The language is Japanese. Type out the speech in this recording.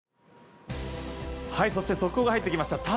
そして速報が入ってきました。